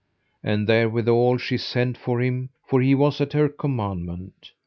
And therewithal she sent for him, for he was at her commandment.